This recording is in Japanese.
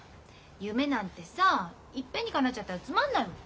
夢なんてさいっぺんにかなっちゃったらつまんないもん。